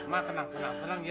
ma ma tenang tenang tenang ya